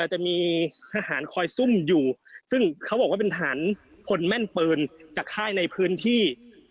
จะมีทหารคอยซุ่มอยู่ซึ่งเขาบอกว่าเป็นทหารพลแม่นปืนจากค่ายในพื้นที่